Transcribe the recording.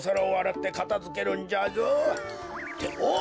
っておい！